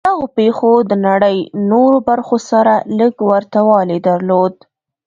دغو پېښو د نړۍ نورو برخو سره لږ ورته والی درلود